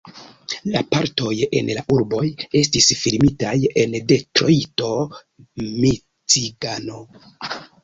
La partoj en la urboj estis filmitaj en Detrojto, Miĉigano.